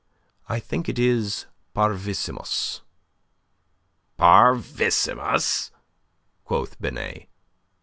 "I think it is Parvissimus." "Parvissimus?" quoth Binet.